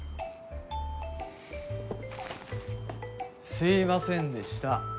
すいませんでした。